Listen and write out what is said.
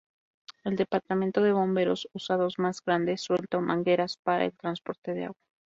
El departamento de bomberos usados más grande, suelto, mangueras para el transporte de agua.